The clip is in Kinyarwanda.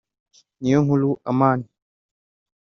Niyonkuru Amani